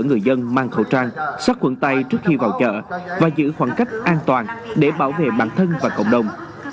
người dân mang khẩu trang sắt khuẩn tay trước khi vào chợ và giữ khoảng cách an toàn để bảo vệ bản thân và cộng đồng